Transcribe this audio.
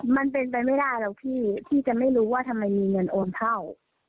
มันเป็นไปไม่ได้หรอกพี่ที่จะไม่รู้ว่าทำไมมีเงินโอนเข้า